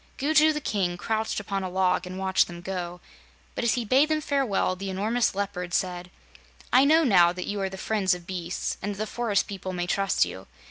Gugu the King crouched upon a log and watched them go, but as he bade them farewell, the enormous Leopard said: "I know now that you are the friends of beasts and that the forest people may trust you.